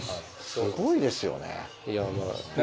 すごいですよね。